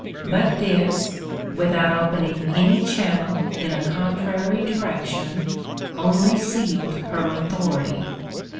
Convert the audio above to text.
But this, without opening any channel in a con trary direction, only sealed her authority